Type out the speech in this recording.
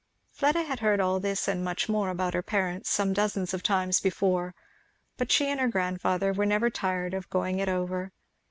Fleda had heard all this and much more about her parents some dozens of times before; but she and her grandfather were never tired of going it over.